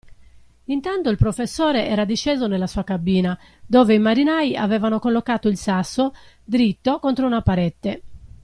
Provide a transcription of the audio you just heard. Intanto il professore era disceso nella sua cabina, dove i marinai avevano collocato il sasso, dritto contro una parete.